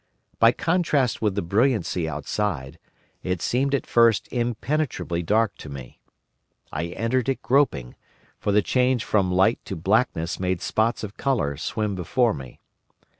By contrast with the brilliancy outside, it seemed at first impenetrably dark to me. I entered it groping, for the change from light to blackness made spots of colour swim before me.